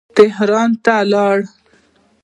تهران ته ولاړ.